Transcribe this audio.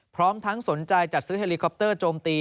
พร้อมทั้งสนใจจัดซื้อเฮลิคอปเตอร์โจมตี